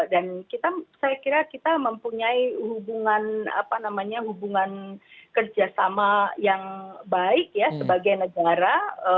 dan kita saya kira kita mempunyai hubungan apa namanya hubungan kerjasama yang baik ya sebagai negara